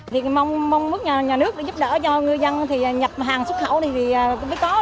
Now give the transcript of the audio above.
thì mong mong nhà nước giúp đỡ cho ngư dân thì nhập hàng xuất khẩu thì mới có